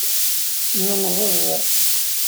Nenḍeb.